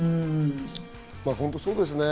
本当にそうですね。